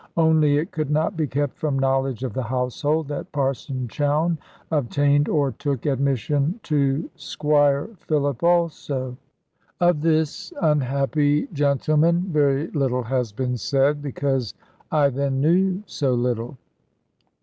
Only it could not be kept from knowledge of the household, that Parson Chowne obtained or took admission to Squire Philip also. Of this unhappy gentleman very little has been said, because I then knew so little.